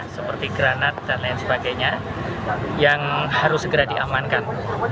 seperti granat dan lain sebagainya yang harus segera diamankan